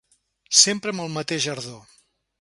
Sempre amb el mateix ardor.